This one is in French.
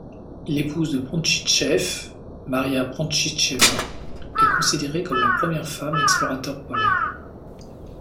L'épouse de Prontchichtchev, Maria Prontchichtcheva est considérée comme la première femme explorateur polaire.